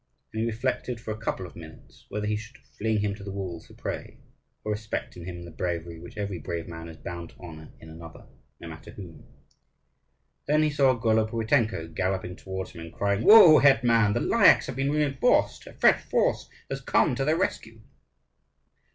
And he reflected for a couple of minutes, whether he should fling him to the wolves for prey, or respect in him the bravery which every brave man is bound to honour in another, no matter whom? Then he saw Golopuitenko galloping towards them and crying: "Woe, hetman, the Lyakhs have been reinforced, a fresh force has come to their rescue!"